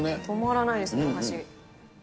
止まらないですね、箸。